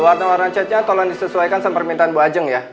warna warnanya tolong disesuaikan dengan permintaan ibu ajeng ya